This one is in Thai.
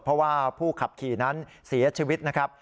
เพราะว่าผู้ขับขี่นั้นเสียชีวิตนะครับ